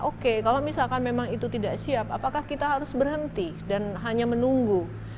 oke kalau misalkan memang itu tidak siap apakah kita harus berhenti dan hanya menunggu